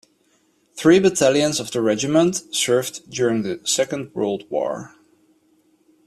Three battalions of the regiment served during the Second World War.